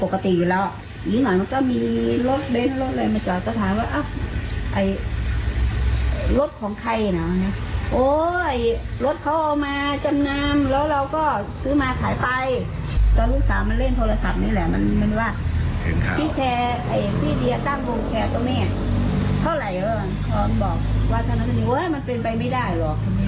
ก็เนี่ยล่ะค่ะอย่างที่บอก